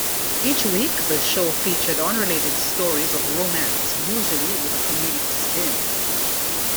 Each week, the show featured unrelated stories of romance, usually with a comedic spin.